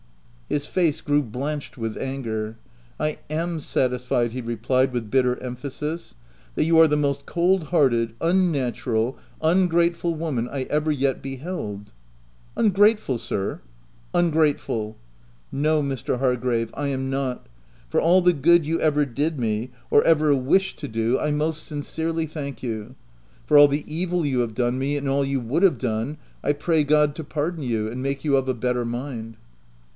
His face grew blanched with anger. " I am satisfied," he replied with bitter em phasis, " that you are the most cold hearted, unnatural, ungrateful woman I ever yet be held I* " Ungrateful sir ?"" Ungrateful." "No, Mr. Hargrave; I am not. For all the good you ever did me, or ever wished to 46 THE TENANT do, I most sincerely thank you : for all the evil you have done me, and all you would have done, I pray God to pardon you, and make you of a better mind."